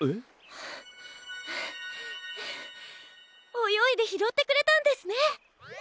およいでひろってくれたんですね！